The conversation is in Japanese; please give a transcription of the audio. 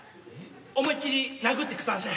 思いっ切り殴ってくだしゃい。